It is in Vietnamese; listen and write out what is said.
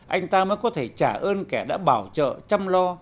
anh ta mới có thể trả ơn kẻ đã bảo trợ chăm lo